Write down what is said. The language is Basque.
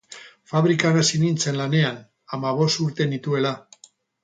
Fabrikan hasi nintzen lanean, hamabost urte nituela.